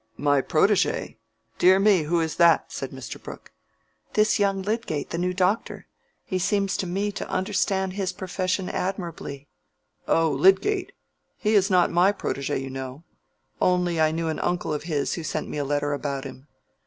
"My protege?—dear me!—who is that?" said Mr. Brooke. "This young Lydgate, the new doctor. He seems to me to understand his profession admirably." "Oh, Lydgate! he is not my protege, you know; only I knew an uncle of his who sent me a letter about him.